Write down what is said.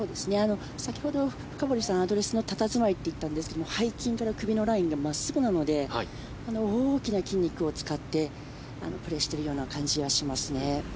先ほど深堀さんアドレスの佇まいと言ったんですけども背筋から首のラインが真っすぐなので大きな筋肉を使ってプレーしているような感じがしますね。